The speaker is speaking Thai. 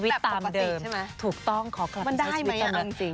แบบตามเดิมถูกต้องขอกลับไปใช้ชีวิตตามเดิม